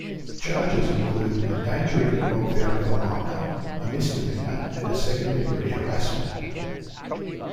Charges include, Endangering the Welfare of a Minor, a misdemeanor and second-degree harassment.